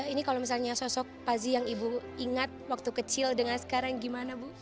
ini kalau misalnya sosok pazi yang ibu ingat waktu kecil dengan sekarang gimana bu